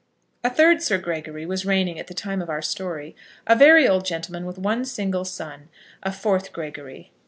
A third Sir Gregory was reigning at the time of our story, a very old gentleman with one single son, a fourth Gregory.